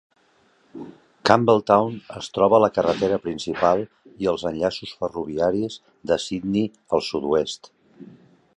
Campbelltown es troba a la carretera principal i els enllaços ferroviaris de Sydney al sud-oest.